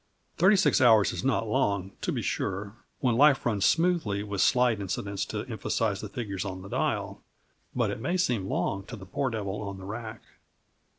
Thirty six hours is not long, to be sure, when life runs smoothly with slight incidents to emphasize the figures on the dial, but it may seem long to the poor devil on the rack.